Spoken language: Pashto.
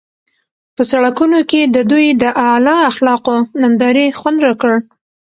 په سړکونو کې د دوی د اعلی اخلاقو نندارې خوند راکړ.